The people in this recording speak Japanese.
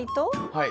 はい。